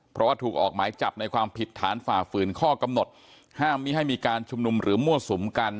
เพราะว่าถูกออกหมายจับในความผิดฐานฝ่าฝืนข้อกำหนดห้ามไม่ให้มีการชุมนุมหรือมั่วสุมกัน